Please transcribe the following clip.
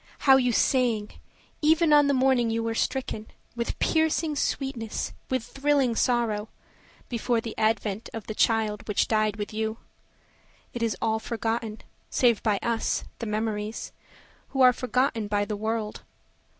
How you sang, even on the morning you were stricken, With piercing sweetness, with thrilling sorrow, Before the advent of the child which died with you. It is all forgotten, save by us, the memories, Who are forgotten by the world.